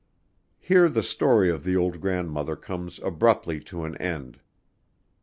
Here the story of the old grandmother comes abruptly to an end.